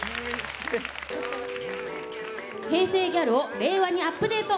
平成ギャルを令和にアップデート。